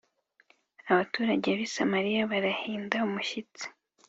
Abaturage b’i Samariya barahinda umushyitsi